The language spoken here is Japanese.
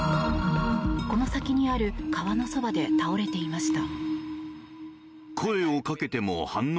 この先にある川のそばで倒れていました。